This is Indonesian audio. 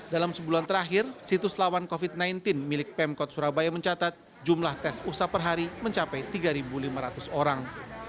dalam sebulan terakhir situs lawan covid sembilan belas milik pemkot surabaya mencatat jumlah tes usap per hari mencapai tiga lima ratus orang